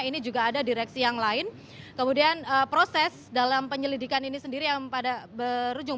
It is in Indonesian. ini juga ada direksi yang lain kemudian proses dalam penyelidikan ini sendiri yang pada berujung